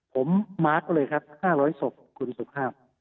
ผมมาร์ท๕๐๐ศพคุณสุภาพ